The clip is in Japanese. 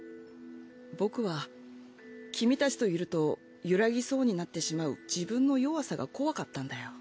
僕は君たちといると揺らぎそうになってしまう自分の弱さが怖かったんだよ。